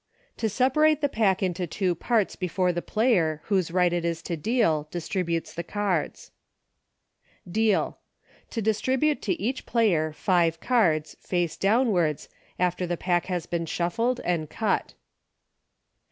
To separate the pack into two parts before the player, whose right it m to deal, distributes the cards. Deal. To distribute to each } lay )v five cards, face downwards, after the pa</k has been shuffled and cut.